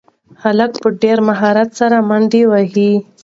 هلک په ډېر مهارت سره منډې وهي.